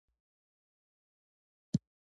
هغه وویل: هغه بله يې بیا زما مېرمن ده.